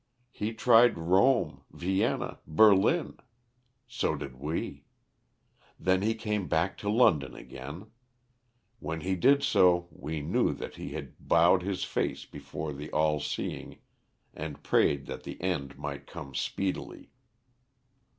He tried Rome, Vienna, Berlin. So did we. Then he came back to London again. When he did so we knew that he had bowed his face before the All seeing, and prayed that the end might come speedily."